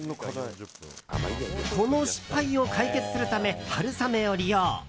この失敗を解決するため春雨を利用。